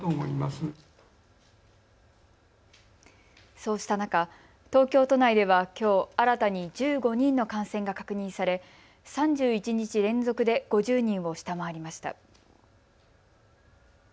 そうした中、東京都内ではきょう新たに１５人の感染が確認され３１日連続で５０人を下回りました。